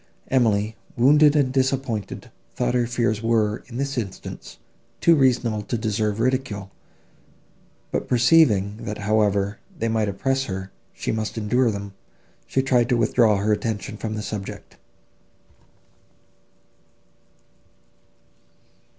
Emily, wounded and disappointed, thought her fears were, in this instance, too reasonable to deserve ridicule; but, perceiving, that, however they might oppress her, she must endure them, she tried to withdraw her attention from the subject.